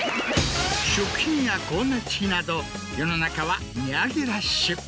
食品や光熱費など世の中は値上げラッシュ。